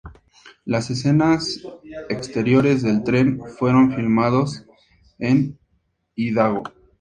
Las escenas exteriores del tren fueron filmados en Idaho.